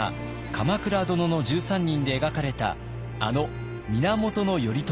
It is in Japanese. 「鎌倉殿の１３人」で描かれたあの源頼朝です。